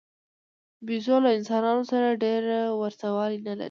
بیزو له انسانانو سره ډېره ورته والی نه لري.